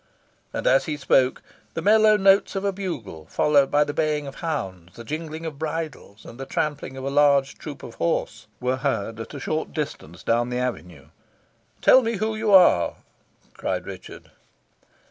And as he spoke, the mellow notes of a bugle, followed by the baying of hounds, the jingling of bridles, and the trampling of a large troop of horse, were heard at a short distance down the avenue. "Tell me who you are?" cried Richard.